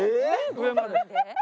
上まで。